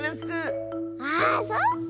あそっか！